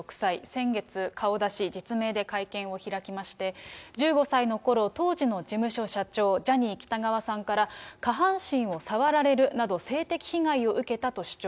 先月、顔出し、実名で会見を開きまして１５歳のころ、当時の事務所社長、ジャニー喜多川さんから下半身を触られるなど、性的被害を受けたと主張。